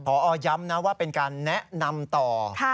พอย้ำนะว่าเป็นการแนะนำต่อ